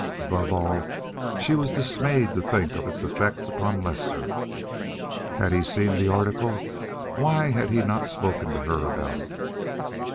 Above all, she was dismayed to think of its effect upon Lester. Had he seen the article? Why had he not spoken to her about it?